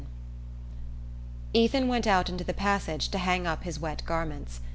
VII Ethan went out into the passage to hang up his wet garments.